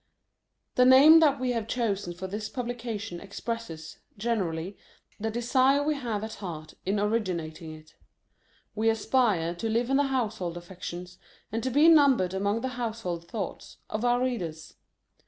HHHE name that we have chosen for this publication expresses, generally, the desire we have at heart in originating it. We aspire to live in the Household affec tions, and to be numbered among the House hold thoughts, of our readers.